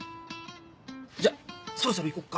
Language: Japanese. じゃそろそろ行こっか。